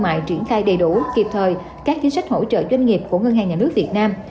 mại triển khai đầy đủ kịp thời các chính sách hỗ trợ doanh nghiệp của ngân hàng nhà nước việt nam